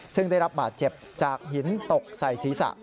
ซึ่งได้รับบาดเจ็บจากหินตกใส่ศีรษะ